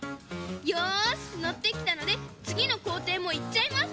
よしのってきたのでつぎのこうていもいっちゃいます！